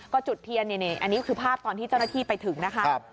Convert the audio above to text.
ก็จุดเทียนอันนี้คือภาพตอนที่เจ้าหน้าที่ไปถึงนะคะ